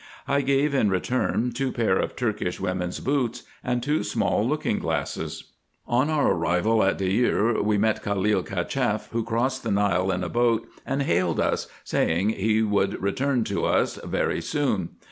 I gave in return two pair of Turkish women's boots, and two small looking glasses. On our arrival at Deir, we met Khalil Cacheff, .who crossed the Nile in a boat, and hailed vis, saying he would return to us very soon.